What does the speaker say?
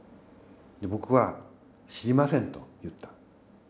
僕は知りませんと言った。